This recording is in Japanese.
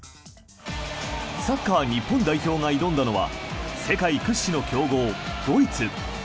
サッカー日本代表が挑んだのは世界屈指の強豪ドイツ。